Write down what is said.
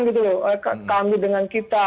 gitu loh kami dengan kita